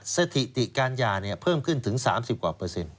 สถิติการยาเพิ่มขึ้นถึง๓๐กว่าเปอร์เซ็นต